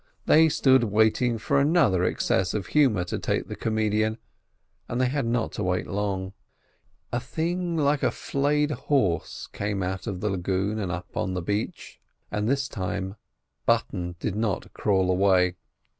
They stood waiting for another access of humour to take the comedian, and they had not to wait long. A thing like a flayed horse came out of the lagoon and up the beach, and this time Mr Button did not crawl away.